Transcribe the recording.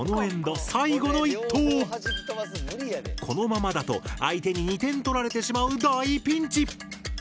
このままだと相手に２点取られてしまう大ピンチ！